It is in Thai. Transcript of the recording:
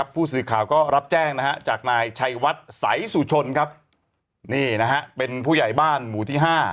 ผู้สื่อข่าวก็รับแจ้งจากนายชัยวัดสายสุชนเป็นผู้ใหญ่บ้านหมู่ที่๕